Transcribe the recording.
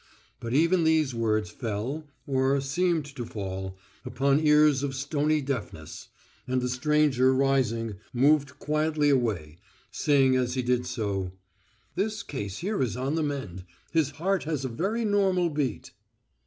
But even these words fell, or seemed to fall, upon ears of stony deafness, and the stranger rising, moved quietly away, saying as he did so, "This case here is on the mend. His heart has a very normal beat."